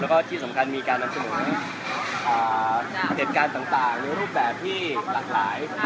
แล้วก็ที่สำคัญมีการนำเสนอเหตุการณ์ต่างในรูปแบบที่หลากหลาย